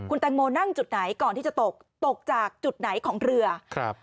แตงโมนั่งจุดไหนก่อนที่จะตกตกจากจุดไหนของเรือครับ